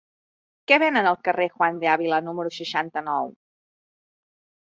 Què venen al carrer de Juan de Ávila número seixanta-nou?